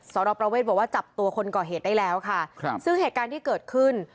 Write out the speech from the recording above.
สรประเวทบอกว่าจับตัวคนก่อเหตุได้แล้วค่ะครับซึ่งเหตุการณ์ที่เกิดขึ้น